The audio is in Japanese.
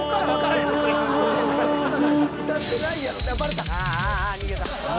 歌ってないやろ。